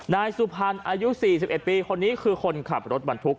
นายสุภัณฑ์อายุสี่สิบเอ็ดปีคนนี้คือคนขับรถบรรทุก